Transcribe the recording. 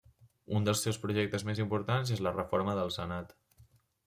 Un dels seus projectes més importants és la reforma del Senat.